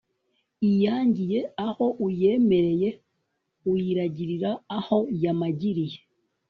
iyangiye aho uyemereye uyiragirira aho yamagiriye